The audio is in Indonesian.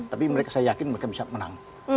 tapi mereka saya yakin mereka bisa menang